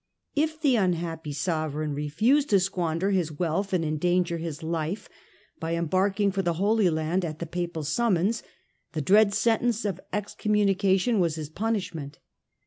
If the unhappy sovereign refused to squander his wealth and endanger his life by embarking for the Holy Land at the Papal summons, the dread sentence of excommunication was his punishment.